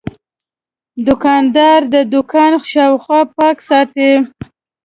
دوکاندار د دوکان شاوخوا پاک ساتي.